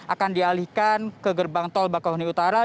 akan dialihkan ke gerbang tol bakahuni utara